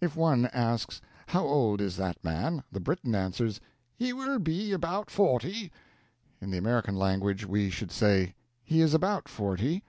If one asks 'How old is that man?' the Briton answers, 'He will be about forty'; in the American language we should say, 'He is about forty.'